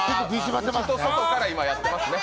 外から今やってますね。